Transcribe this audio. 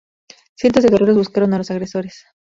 Cientos de guerreros buscaron a los agresores.